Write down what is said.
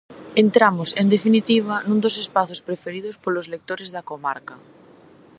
Entramos, en definitiva, nun dos espazos preferidos polos lectores da comarca.